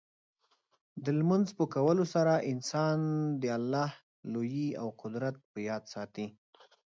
د لمونځ په کولو سره انسان د الله لویي او قدرت په یاد ساتي.